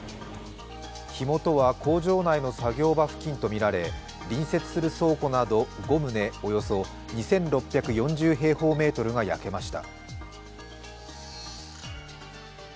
火元は工場内の作業場付近とみられ隣接する倉庫など５棟、およそ２６４０平方メートルが焼けました。